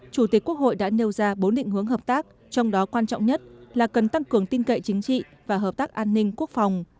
chủ tịch quốc hội đã nêu ra bốn định hướng hợp tác trong đó quan trọng nhất là cần tăng cường tin cậy chính trị và hợp tác an ninh quốc phòng